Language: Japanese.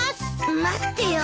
待ってよ。